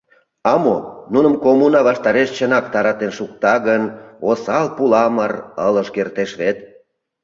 А мо, нуным коммуна ваштареш чынак таратен шукта гын, осал пуламыр ылыж кертеш вет.